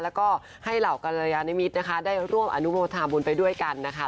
แล้วก็ให้เหล่ากรยานิมิตรนะคะได้ร่วมอนุโมทาบุญไปด้วยกันนะคะ